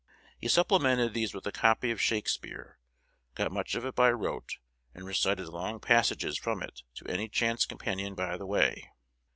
He supplemented these with a copy of Shakspeare, got much of it by rote, and recited long passages from it to any chance companion by the way.